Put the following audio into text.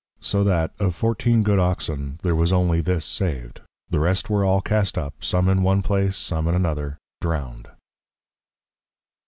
So that, of fourteen good Oxen, there was only this saved: The rest were all cast up, some in one place, and some in another, Drowned.